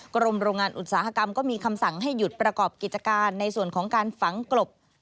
กรมโรงงานอุตสาหกรรมก็มีคำสั่งให้หยุดประกอบกิจการในส่วนของการฝังกลบ